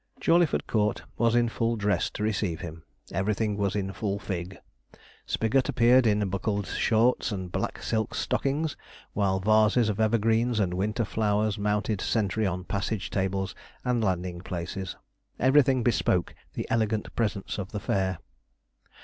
Jawleyford Court was in full dress to receive him everything was full fig. Spigot appeared in buckled shorts and black silk stockings; while vases of evergreens and winter flowers mounted sentry on passage tables and landing places. Everything bespoke the elegant presence of the fair.